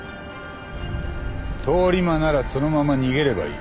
通り魔ならそのまま逃げればいい。